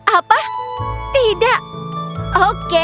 apa tidak oke